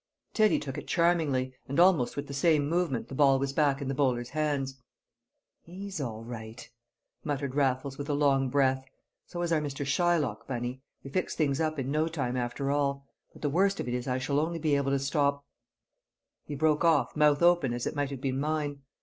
Teddy took it charmingly, and almost with the same movement the ball was back in the bowler's hands. "He's all right!" muttered Raffles with a long breath. "So is our Mr. Shylock, Bunny; we fixed things up in no time after all. But the worst of it is I shall only be able to stop " He broke off, mouth open as it might have been mine.